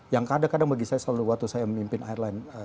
yang kadang kadang bagi saya selalu waktu saya memimpin airline